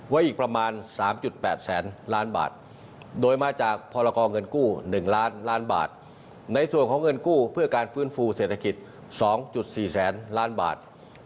ไว้อีกประมาณ๓๘แสนล้านบาทโดยมาจากพราคอเงินกู้๑ล้านล้านบาท